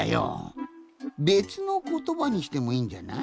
べつのことばにしてもいいんじゃない？